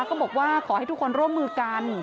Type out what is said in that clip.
ก็บอกว่าขอให้ทุกคนร่วมมือกัน